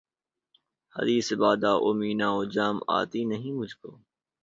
حدیث بادہ و مینا و جام آتی نہیں مجھ کو